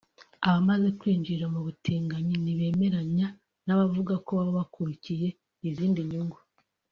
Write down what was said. Abamaze kwinjira mu butinganyi ntibemeranya n’abavuga ko baba bakurikiye izindi nyungu